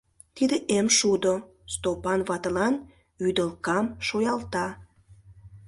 Тиде эм шудо, — Стопан ватылан вӱдылкам шуялта.